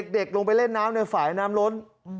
เด็กลงไปเล่นน้ำในฝ่ายน้ำล้น